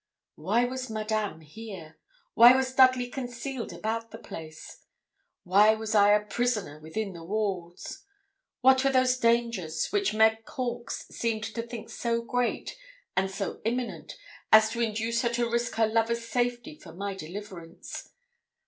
Why was Madame here? Why was Dudley concealed about the place? Why was I a prisoner within the walls? What were those dangers which Meg Hawkes seemed to think so great and so imminent as to induce her to risk her lover's safety for my deliverance?